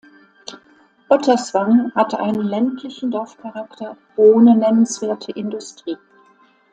Otterswang hat einen ländlichen Dorfcharakter ohne nennenswerte Industrie.